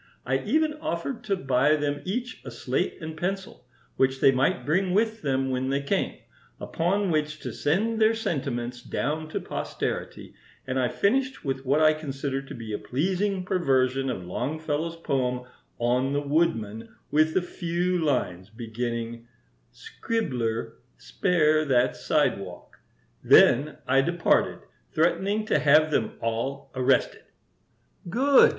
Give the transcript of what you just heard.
I even offered to buy them each a slate and pencil, which they might bring with them when they came, upon which to send their sentiments down to posterity, and I finished with what I consider to be a pleasing perversion of Longfellow's poem on the Woodman, with a few lines beginning: "Scribbler, spare that sidewalk. "Then I departed, threatening to have them all arrested." "Good!"